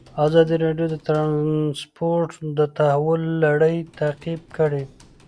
ازادي راډیو د ترانسپورټ د تحول لړۍ تعقیب کړې.